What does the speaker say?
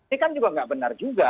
ini kan juga nggak benar juga